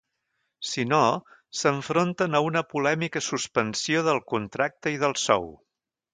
Si no, s’enfronten a una polèmica suspensió del contracte i del sou.